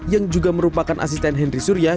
yang juga merupakan asisten henry surya